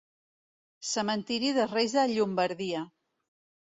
Cementiri dels reis de Llombardia.